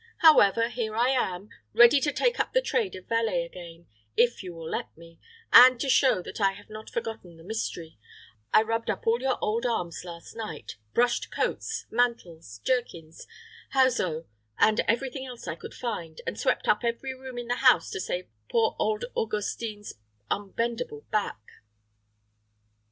However, here I am, ready to take up the trade of valet again, if you will let me; and, to show that I have not forgotten the mystery, I rubbed up all your old arms last night, brushed coats, mantles, jerkins, houseaux, and every thing else I could find, and swept up every room in the house to save poor old Augustine's unbendable back."